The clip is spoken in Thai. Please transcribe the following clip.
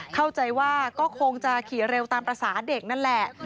เข้าใจว่าก็คงจะขี่เร็วตามภาษาเด็กนั่นแหละ